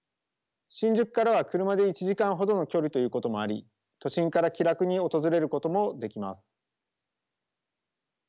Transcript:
新宿からは車で１時間ほどの距離ということもあり都心から気楽に訪れることもできます。